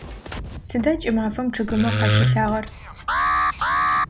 Сыда кӏымафэм чъыгымэ къащилъагъэр?